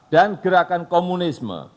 dan gerakan komunisme